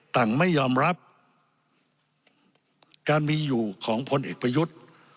ไม่ยอมรับการมีอยู่ของพลเอกประยุทธ์